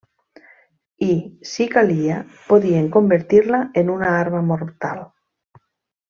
I, si calia, podien convertir-la en una arma mortal.